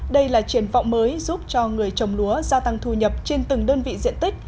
đây là triển vọng mới giúp cho người trồng lúa gia tăng thu nhập trên từng đơn vị diện tích